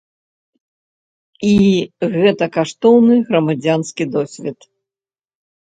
І гэта каштоўны грамадзянскі досвед.